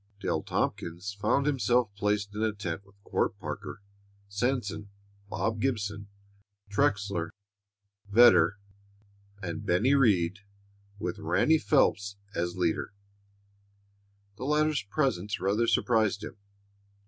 Dale Tompkins found himself placed in a tent with Court Parker, Sanson, Bob Gibson, Trexler, Vedder and Bennie Rhead, with Ranleigh Phelps as leader. The latter's presence rather surprised him.